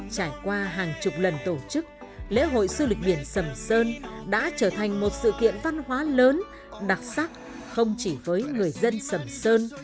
trải qua hàng chục lần tổ chức lễ hội du lịch biển sầm sơn đã trở thành một sự kiện văn hóa lớn đặc sắc không chỉ với người dân sầm sơn